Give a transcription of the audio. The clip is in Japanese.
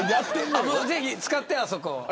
ぜひ使って、あそこ。